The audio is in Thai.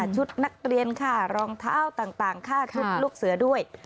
ชุดนักเรียนค่ารองเท้าต่างค่าชุดลูกเสือด้วย